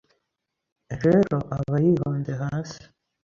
rero aba yihonze hasi.